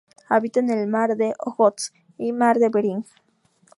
Habita en el Mar de Ojotsk y Mar de Bering.